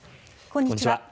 こんにちは。